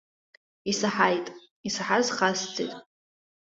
Исаҳаит, исаҳаз хасҵеит.